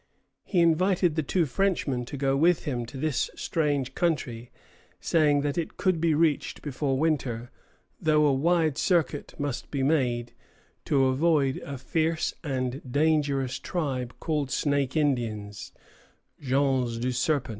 He invited the two Frenchmen to go with him to this strange country, saying that it could be reached before winter, though a wide circuit must be made, to avoid a fierce and dangerous tribe called Snake Indians (Gens du Serpent).